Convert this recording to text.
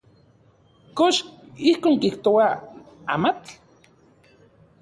¿Kox ijkon kijtoa amatl?